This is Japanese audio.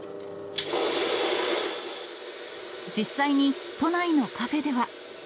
実際に都内のカフェでは。